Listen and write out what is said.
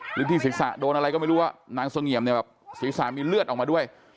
หรือที่ศิษย์ศาสตร์โดนอะไรก็ไม่รู้ว่านางเซงี่ยมศิษย์ศาสตร์มีเลือดออกมาด้วย